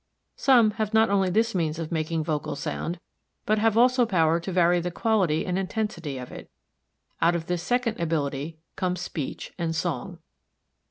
Some have not only this means of making vocal sound, but have also power to vary the quality and intensity of it. Out of this second ability come speech and song.